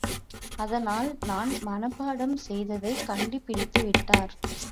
அதனால் நான் மனப்பாடம் செய்ததைக் கண்டு பிடித்து விட்டார்.